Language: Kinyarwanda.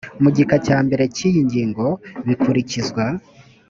mu gika cya mbere cy iyi ngingo bikurikizwa